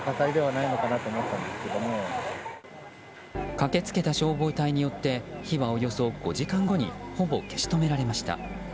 駆けつけた消防隊によって火はおよそ５時間後にほぼ消し止められました。